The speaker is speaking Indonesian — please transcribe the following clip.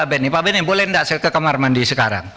benny pak benny boleh nggak saya ke kamar mandi sekarang